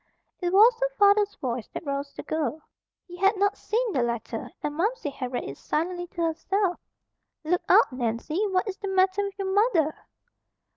It was her father's voice that roused the girl. He had not seen the letter and Momsey had read it silently to herself. "Look out, Nancy! What is the matter with your mother?"